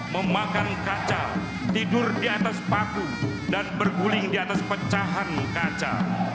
memakan kaca tidur di atas paku dan berguling di atas pecahan kaca